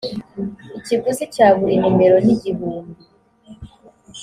ikiguzi cya buri numero nigihumbi